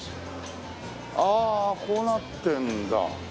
ああこうなってるんだ。